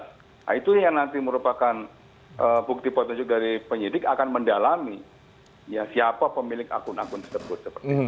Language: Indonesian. nah itu yang nanti merupakan bukti petunjuk dari penyidik akan mendalami siapa pemilik akun akun tersebut